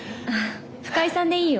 「深井さん」でいいよ。